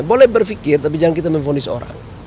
boleh berpikir tapi jangan kita memfonis orang